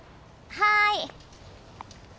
はい。